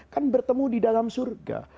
kan bertemu di dalam surga